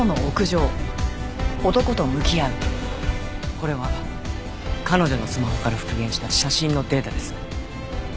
これは彼女のスマホから復元した写真のデータです。